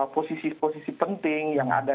posisi posisi penting yang ada